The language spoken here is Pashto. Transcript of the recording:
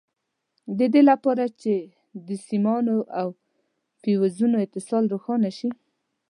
د دې لپاره چې د سیمانو او فیوزونو اتصال روښانه شي.